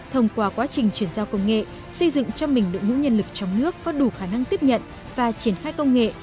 thông qua quá trình chuyển giao công nghệ xây dựng cho mình đội ngũ nhân lực trong nước có đủ khả năng tiếp nhận và triển khai công nghệ